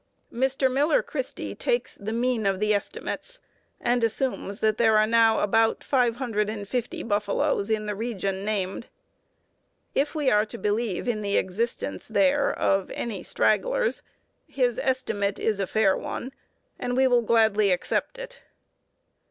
Mr. Miller Christy takes "the mean of the estimates," and assumes that there are now about five hundred and fifty buffaloes in the region named. If we are to believe in the existence there of any stragglers his estimate is a fair one, and we will gladly accept it.